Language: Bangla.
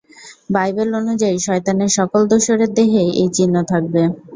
বাইবেল অনুযায়ী, শয়তানের সকল দোসরের দেহেই এই চিহ্ন থাকবে!